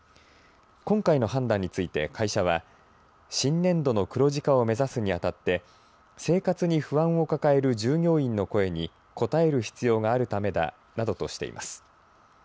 今回の判断について会社は新年度の黒字化を目指すにあたって生活に不安を抱える従業員の声に応える必要があるためだなどとしています。